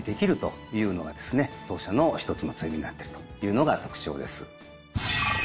当社の一つの強みになってるというのが特徴です。